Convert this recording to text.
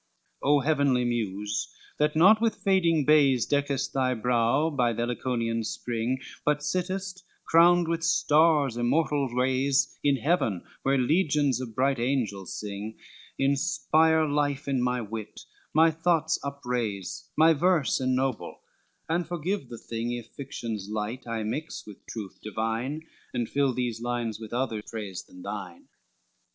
II O heavenly Muse, that not with fading bays Deckest thy brow by the Heliconian spring, But sittest crowned with stars' immortal rays In Heaven, where legions of bright angels sing; Inspire life in my wit, my thoughts upraise, My verse ennoble, and forgive the thing, If fictions light I mix with truth divine, And fill these lines with other praise than thine.